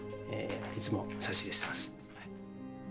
いつも差し入れしてます。